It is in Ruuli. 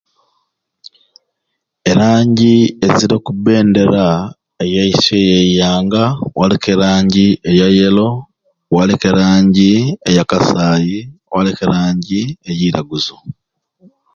Alangi eziri oku bendera eyeiswei eyeyanga waliku e alangi eya yellow waliku e langa eya kasayi waliku e langa egiragazu